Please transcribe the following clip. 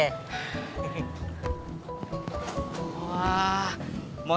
untuk blanka shami